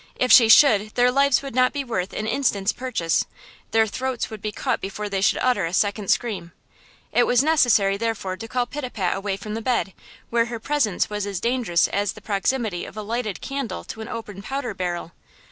If she should their lives would not be worth an instant's purchase! Their throats would be cut before they should utter a second scream! It was necessary, therefore, to call Pitapat away from the bed, where her presence was as dangerous as the proximity of a lighted candle to an open powder barrel!